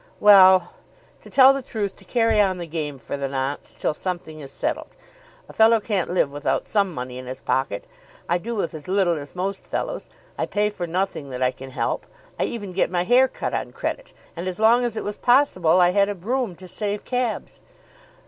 "Well; to tell the truth, to carry on the game for the nonce till something is settled. A fellow can't live without some money in his pocket. I do with as little as most fellows. I pay for nothing that I can help. I even get my hair cut on credit, and as long as it was possible I had a brougham, to save cabs."